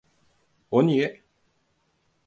O niye?